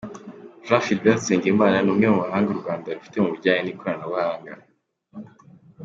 Jean Philbert Nsengimana ni umwe mu bahanga u Rwanda rufite mu bijyanye n’ikoranabuhanga.